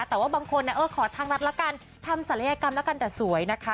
แต่ว่าบางคนขอทางรัฐละกันทำศัลยกรรมแล้วกันแต่สวยนะคะ